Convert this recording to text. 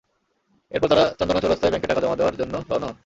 এরপর তাঁরা চান্দনা চৌরাস্তায় ব্যাংকে টাকা জমা দেওয়ার জন্য রওনা হন।